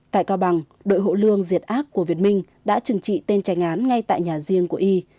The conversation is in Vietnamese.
tại cao bằng đội hộ lương diệt ác của việt minh đã trừng trị tên trành án ngay tại nhà riêng của y